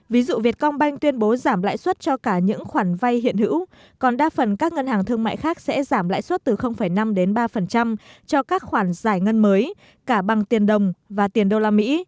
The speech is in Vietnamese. ví dụ việt công banh tuyên bố giảm lãi suất cho cả những khoản vay hiện hữu còn đa phần các ngân hàng thương mại khác sẽ giảm lãi suất từ năm đến ba cho các khoản giải ngân mới cả bằng tiền đồng và tiền đô la mỹ